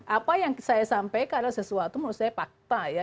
apa yang saya sampaikan adalah sesuatu menurut saya fakta ya